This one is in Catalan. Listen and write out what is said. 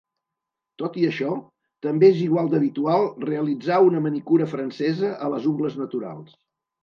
Tot i això, també és igual d'habitual realitzar una manicura francesa a les ungles naturals.